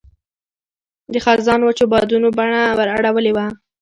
د خزان وچو بادونو بڼه ور اړولې وه.